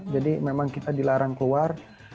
jadi memang kita dilarang keluar